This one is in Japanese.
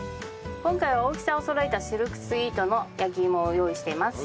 今回は大きさをそろえたシルクスイートの焼き芋を用意しています。